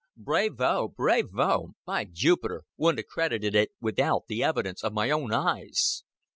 "Brayvo! Brayvo! By Jupiter wouldn't 'a' credited it without the evidence of my own eyes."